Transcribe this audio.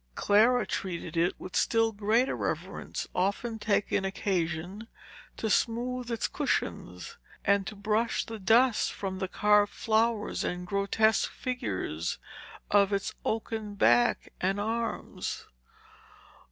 Clara treated it with still greater reverence, often taking occasion to smooth its cushion, and to brush the dust from the carved flowers and grotesque figures of its oaken back and arms.